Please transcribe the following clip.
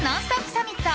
サミット。